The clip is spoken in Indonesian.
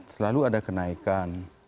selalu ada kenaikan